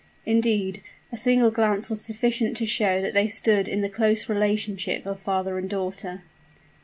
Indeed, a single glance was sufficient to show that they stood in the close relationship of father and daughter.